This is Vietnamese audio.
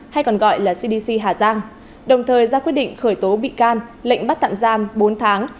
hay còn gọi là cdc hà giang đồng thời ra quyết định khởi tố bị can lệnh bắt tạm giam bốn tháng